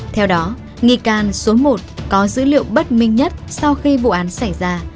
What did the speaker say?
theo đó nghi can số một có dữ liệu bất minh nhất sau khi vụ án xảy ra